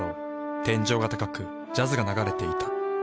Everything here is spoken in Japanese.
天井が高くジャズが流れていた。